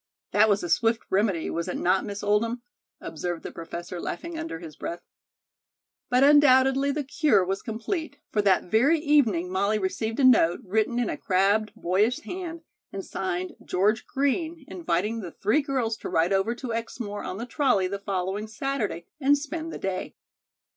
"That was a swift remedy, was it not, Miss Oldham?" observed the Professor, laughing under his breath. But undoubtedly the cure was complete, for that very evening Molly received a note, written in a crabbed boyish hand, and signed "George Green," inviting the three girls to ride over to Exmoor on the trolley the following Saturday and spend the day.